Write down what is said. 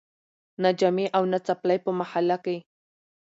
نه جامې او نه څپلۍ په محله کي